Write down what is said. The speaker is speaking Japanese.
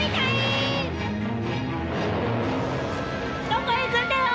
どこへ行くんだよ！